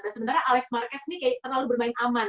nah sementara alex marquez ini kayaknya terlalu bermain aman